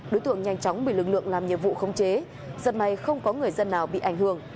đối tượng nhanh chóng bị lực lượng làm nhiệm vụ khống chế rất may không có người dân nào bị ảnh hưởng